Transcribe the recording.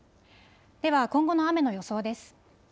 では今後の雨の予想です。